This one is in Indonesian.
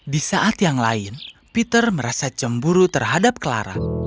di saat yang lain peter merasa cemburu terhadap clara